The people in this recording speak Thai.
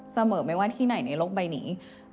เสมอไม่ว่าที่ไหนในโลกใบนี้